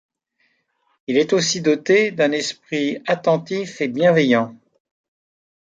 Il est aussi doté d'un esprit attentif et bienveillant.